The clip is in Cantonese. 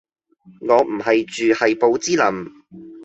我唔係住係寶芝林